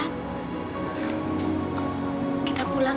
bukan reten yang kamu grammar mungkin saja pegang